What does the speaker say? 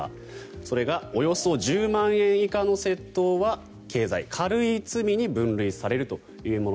それがおよそ１０万円以下の窃盗は軽罪軽い罪に分類されるというもの。